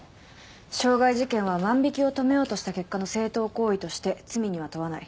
傷害事件は万引を止めようとした結果の正当行為として罪には問わない。